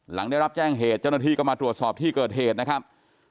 หลังได้รับแจ้งเหตุเจ้าหน้าที่ก็มาตรวจสอบที่เกิดเหตุนะครับ